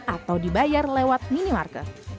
atau dibayar lewat minimarker